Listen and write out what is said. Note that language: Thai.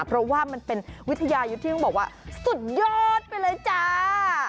เพราะว่ามันเป็นวิทยายุทธ์ที่ต้องบอกว่าสุดยอดไปเลยจ้า